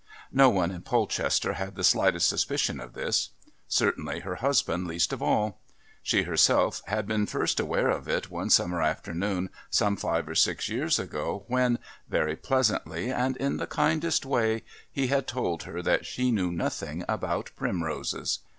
No one in Polchester had the slightest suspicion of this; certainly her husband least of all. She herself had been first aware of it one summer afternoon some five or six years ago when, very pleasantly and in the kindest way, he had told her that she knew nothing about primroses.